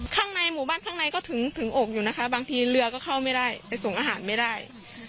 ข้างในหมู่บ้านข้างในก็ถึงอกอยู่นะคะบางทีเรือก็เข้าไม่ได้ไปส่งอาหารไม่ได้